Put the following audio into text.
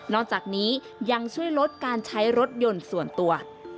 จากนี้ยังช่วยลดการใช้รถยนต์ส่วนตัว